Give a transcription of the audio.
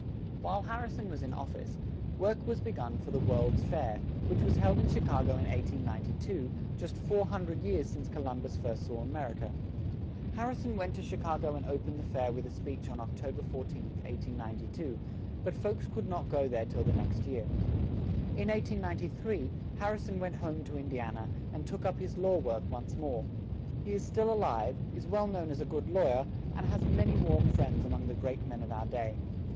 While Har ri son was in of fice, work was be gun for the "World's Fair," which was held in Chi ca go, in 1892, just four hun dred years since Co lum bus first saw A mer i ca. Har ri son went to Chi ca go and o pened the fair with a speech on Oc to ber 14th, 1892; but folks could not go there till the next year. In 1893, Har ri son went home to In di an a, and took up his law work, once more; he is still a live, is well known as a good law yer, and has many warm friends a mong the great men of our day.